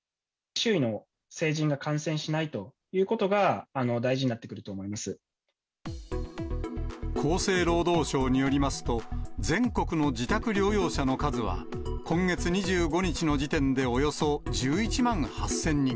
周囲の成人が感染しないということが、大事になってくると思厚生労働省によりますと、全国の自宅療養者の数は、今月２５日の時点でおよそ１１万８０００人。